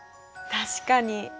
確かに。